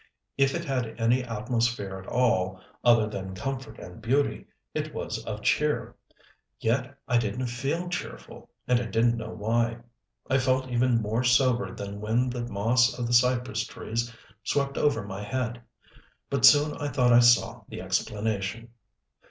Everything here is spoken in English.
If it had any atmosphere at all, other than comfort and beauty, it was of cheer. Yet I didn't feel cheerful, and I didn't know why. I felt even more sobered than when the moss of the cypress trees swept over my head. But soon I thought I saw the explanation.